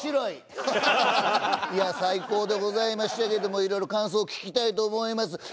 いや最高でございましたけれどもいろいろ感想を聞きたいと思います。